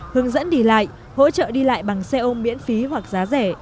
hướng dẫn đi lại hỗ trợ đi lại bằng xe ôm miễn phí hoặc giá rẻ